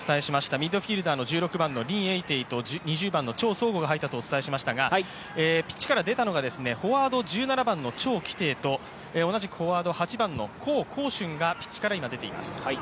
ミッドフィールダーの１６番のリン・エイテイと２０番のチョウ・ソウゴが入ったとお伝えしましたがピッチから出たのがフォワード１７番のチョウ・キテイと同じくフォワードの８番、コウ・コウシュンがピッチから出ています。